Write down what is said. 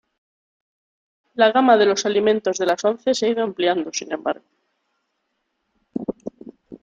La gama de los alimentos de las once se ha ido ampliado, sin embargo.